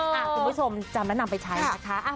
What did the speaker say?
คุณผู้ชมจำสำเริ่มไปใช้นะคะ